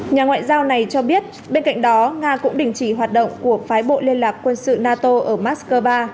nhà ngoại giao này cho biết bên cạnh đó nga cũng đình chỉ hoạt động của phái bộ liên lạc quân sự nato ở moscow